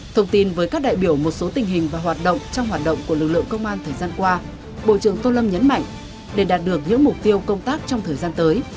thông tin với các đại biểu một số tình hình và hoạt động trong hoạt động của lực lượng công an thời gian qua bộ trưởng tô lâm nhấn mạnh để đạt được những mục tiêu công tác trong thời gian tới